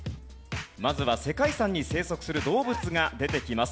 まずは世界遺産に生息する動物が出てきます。